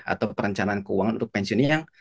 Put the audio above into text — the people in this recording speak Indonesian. atau perencanaan keuangan untuk pensiunnya yang